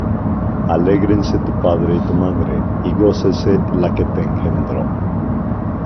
Alégrense tu padre y tu madre, Y gócese la que te engendró.